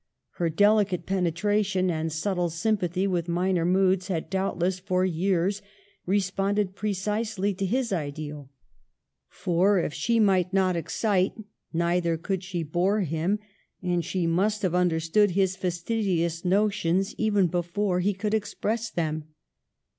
Her delicate penetra tion and subtle sympathy with minor moods had doubtless for years responded precisely to his ideal ; for if she might not excite neither could she bore him ; and she must have understood his fastidious notions even before he could express them.